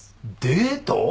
デート！？